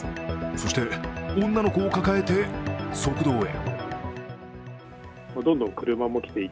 そして女の子を抱えて側道へ。